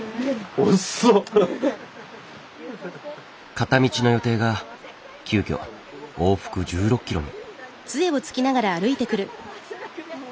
片道の予定が急きょ往復１６ｋｍに。